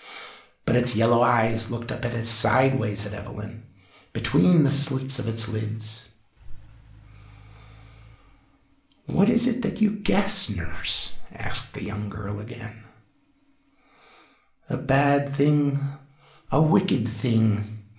But its yellow eyes looked up sideways at Evelyn, between the slits of its lids. "What is it that you guess, nurse?" asked the young girl again. "A bad thing a wicked thing.